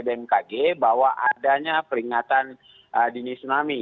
bmkg bahwa adanya peringatan dini tsunami